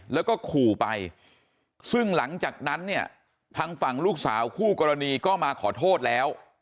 แล้วก็ขู่ไปซึ่งหลังจากนั้นเนี่ยทางฝั่งลูกสาวคู่กรณีก็มาขอโทษแล้ว